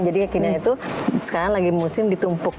jadi kekinian itu sekarang lagi musim ditumpuk